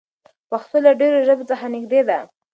پښتو له ډېرو ژبو څخه نږدې ده.